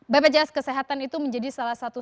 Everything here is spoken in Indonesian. bpjs kesehatan itu menjadi salah satu